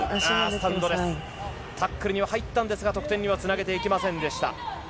タックルに入ったんですが得点にはつなげていけませんでした。